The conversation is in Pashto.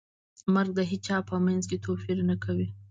مرګ د هیچا په منځ کې توپیر نه کوي.